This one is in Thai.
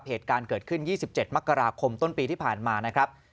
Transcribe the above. เหตุการณ์เกิดขึ้น๒๗มกราคมต้นปีที่ผ่านมานะครับ